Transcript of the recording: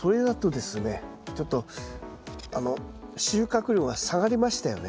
ちょっと収穫量が下がりましたよね。